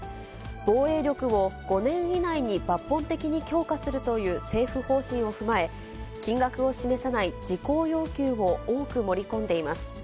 防衛力を５年以内に抜本的に強化するという政府方針を踏まえ、金額を示さない事項要求を多く盛り込んでいます。